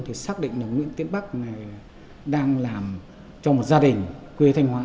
thì xác định nguyễn tiến bắc đang làm cho một gia đình quê thanh hóa